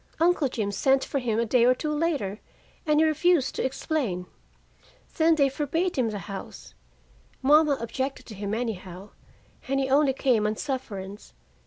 Uncle Jim sent for him, a day or two later, and he refused to explain. Then they forbade him the house. Mama objected to him, anyhow, and he only came on sufferance.